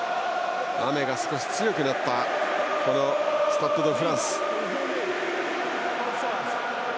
雨が少し強くなったスタッド・ド・フランス。